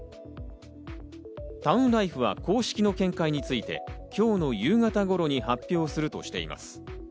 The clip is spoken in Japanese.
タウンライフは公式の見解について今日の夕方頃に発表するとしています。